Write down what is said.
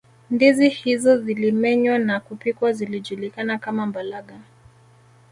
ndizi hizo zilimenywa na kupikwa zilijulikana kama mbalaga